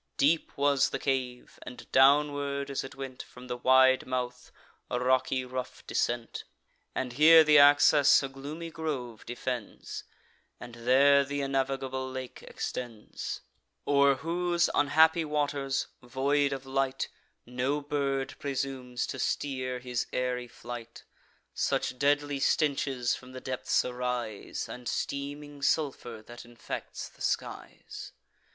Deep was the cave; and, downward as it went From the wide mouth, a rocky rough descent; And here th' access a gloomy grove defends, And there th' unnavigable lake extends, O'er whose unhappy waters, void of light, No bird presumes to steer his airy flight; Such deadly stenches from the depths arise, And steaming sulphur, that infects the skies.